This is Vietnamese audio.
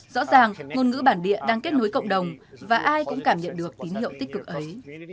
rõ ràng ngôn ngữ bản địa đang kết nối cộng đồng và ai cũng cảm nhận được tín hiệu tích cực ấy